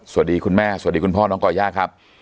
สวัสดีคุณแม่สวัสดีคุณพ่อน้องก่อย่าครับ